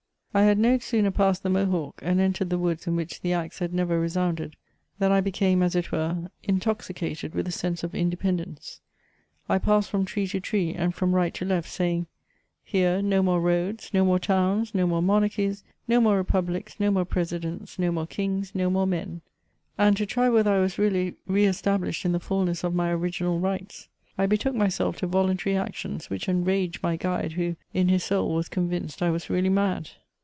I had no sooner passed the Mohawk, and entered the woods in which the axe had never resounded, than I became, as it were, in * toxicated with a sense of independence ; I passed from tree to tree, and from right to left, saying, —Here, no more roads, no more towns, no more monarchies, no more republics, no more presidents, no more kings, no more men ;*' and to tiy whether T was really re established in the fulness of my original rights, I betook myse. If 264 MEMOIRS OF to voluntary actions which enraged my guidcy who, in his son], was convinced I was really mad.